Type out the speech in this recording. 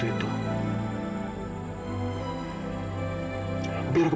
saya ingin korbannya lebih terbaik